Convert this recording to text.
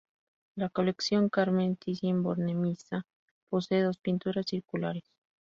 La Colección Carmen Thyssen-Bornemisza posee dos pinturas circulares.